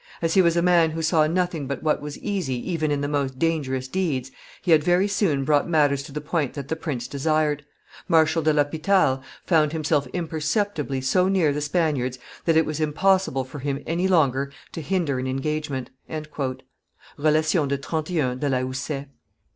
As he was a man who saw nothing but what was easy even in the most dangerous deeds, he had very soon brought matters to the point that the prince desired. Marshal de l'Hopital found himself imperceptibly so near the Spaniards that it was impossible for him any longer to hinder an engagement." [_Relation de 31 de la Houssaye.